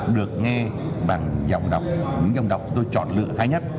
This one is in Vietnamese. được nghe bằng giọng đọc những dòng đọc tôi chọn lựa hay nhất